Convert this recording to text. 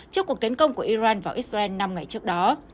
trước cuộc tấn công của iran vào israel năm ngày trước đó